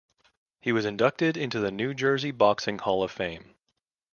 He was inducted into the New Jersey Boxing Hall of Fame.